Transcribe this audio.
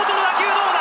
どうだ！